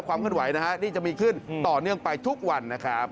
ความขึ้นไหวนี่จะมีขึ้นต่อเนื่องไปทุกวันนะครับ